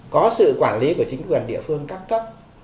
có sự quản lý của chính quyền địa phương các cấp